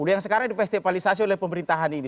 yang sekarang divestivalisasi oleh pemerintahan ini